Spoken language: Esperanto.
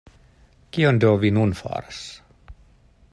Kion do vi nun faras?